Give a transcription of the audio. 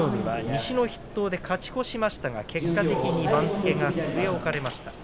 西の筆頭で勝ち越しましたが番付は結果的に据え置かれました。